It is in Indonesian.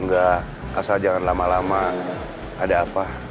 nggak asal jangan lama lama ada apa